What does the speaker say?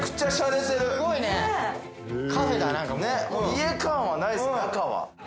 家感はないです中は。